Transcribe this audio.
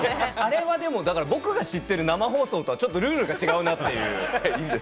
あれは僕が知ってる生放送とはちょっとルールが違うなっていう。